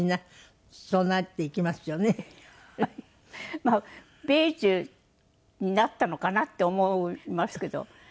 まあ米寿になったのかなって思いますけど。